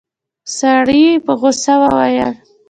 سړي په غوسه وويل.